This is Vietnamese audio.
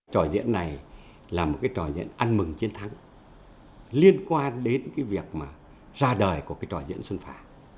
trò diễn này là một trò diễn ăn mừng chiến thắng liên quan đến việc ra đời của trò diễn xuân phả